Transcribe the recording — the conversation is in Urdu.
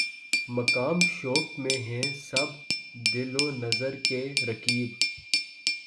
مقام شوق میں ہیں سب دل و نظر کے رقیب